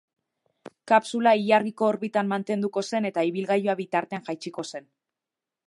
Kapsula ilargiko orbitan mantenduko zen eta ibilgailua bitartean jaitsiko zen.